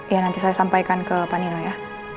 ya nanti saya sampaikan ke panino ya